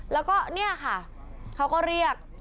แล้วก็เนี่ยค่ะเขาก็เรียก